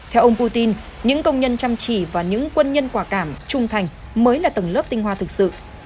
theo ông putin những công nhân chăm chỉ và những quân nhân quả cảm trung thành mới là tầng lớp tinh hoa thực sự